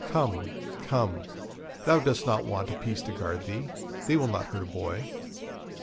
Come, come, thou dost not want a piece to guard thee; they will not hurt a boy.'